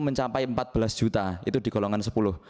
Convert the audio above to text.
mencapai empat belas juta itu di golongan sepuluh